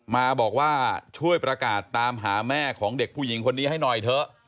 มาบอกว่าช่วยประกาศตามหาแม่ของเด็กผู้หญิงคนนี้ให้หน่อยเถอะ